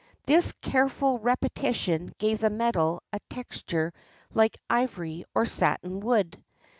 This careful repetition gave the metal a texture like ivory or satin wood.